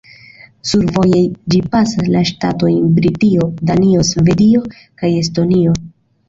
Survoje ĝi pasas la ŝtatojn Britio, Danio, Svedio kaj Estonio.